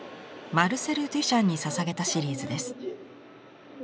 マルセル・デュシャンに捧げたシリーズです。